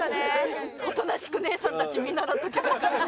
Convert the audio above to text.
おとなしく姉さんたち見習っとけばよかった。